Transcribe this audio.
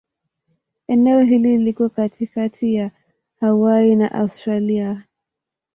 Eneo hili liko katikati ya Hawaii na Australia.